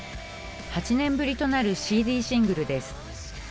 ８年ぶりとなるＣＤシングルです。